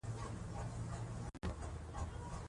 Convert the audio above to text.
د نغلو برېښنا کوټ ډېره انرژي تولیدوي.